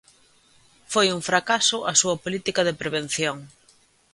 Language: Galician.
Foi un fracaso a súa política de prevención.